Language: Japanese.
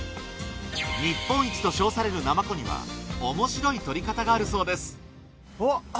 日本一と称されるナマコにはおもしろい獲り方があるそうですあっ！